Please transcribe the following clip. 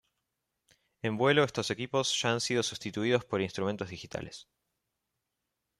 En vuelo estos equipos ya han sido sustituidos por instrumentos digitales.